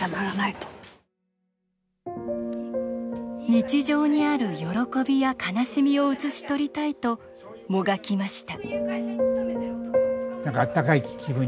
日常にある喜びや悲しみを写し取りたいともがきました。